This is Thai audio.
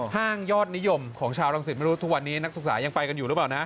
ห้างยอดนิยมของชาวรังสิตไม่รู้ทุกวันนี้นักศึกษายังไปกันอยู่หรือเปล่านะ